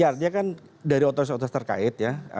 ya dia kan dari otoris otoris terkait ya